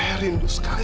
pergi kamu dari sini